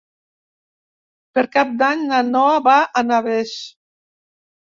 Per Cap d'Any na Noa va a Navès.